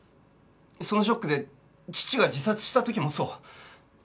そのショックで父が自殺した時もそう。